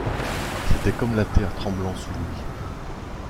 C’était comme la terre tremblant sous lui.